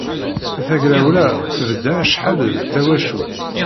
Tagrawla tebḍa acḥal d tawacult.